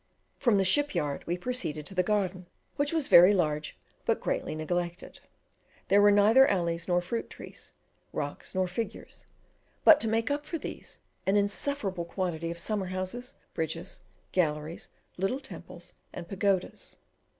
From the ship yard we proceeded to the garden, which was very large but greatly neglected. There were neither alleys nor fruit trees, rocks nor figures; but, to make up for these, an insufferable quantity of summer houses, bridges, galleries, little temples, and pagodas.